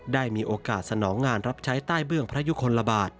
ได้มีโอกาสสนองงานรับใช้ใต้เบื้องพระยุคลบาท